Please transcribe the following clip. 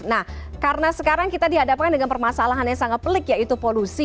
nah karena sekarang kita dihadapkan dengan permasalahan yang sangat pelik yaitu polusi